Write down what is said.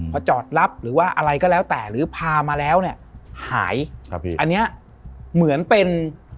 พอจอดรับหรือว่าอะไรก็แล้วแต่หรือพามาแล้วเนี่ยหายครับพี่อันเนี้ยเหมือนเป็น